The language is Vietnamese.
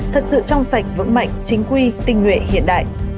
thật sự trong sạch vững mạnh chính quy tình nguyện hiện đại